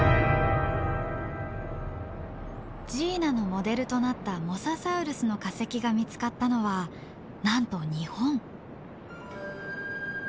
ジーナのモデルとなったモササウルスの化石が見つかったのはなんと日本。